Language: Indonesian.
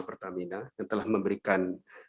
pertamina yang telah memberikan